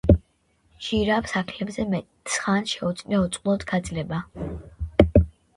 ჟირაფს აქლემზე მეტი ხანს შეუძლია უწყლოდ გაძლება